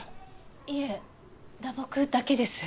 いえ打撲だけです。